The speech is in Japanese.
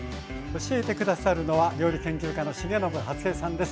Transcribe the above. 教えて下さるのは料理研究家の重信初江さんです。